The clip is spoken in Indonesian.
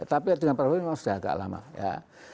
tapi dengan prabowo memang sudah agak lama ya